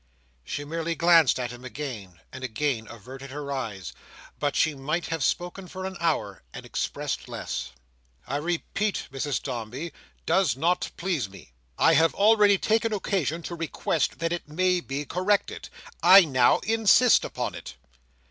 She merely glanced at him again, and again averted her eyes; but she might have spoken for an hour, and expressed less. "I repeat, Mrs Dombey, does not please me. I have already taken occasion to request that it may be corrected. I now insist upon it."